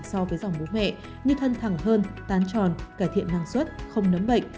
so với dòng bố mẹ như thân thẳng hơn tán tròn cải thiện năng suất không nấm bệnh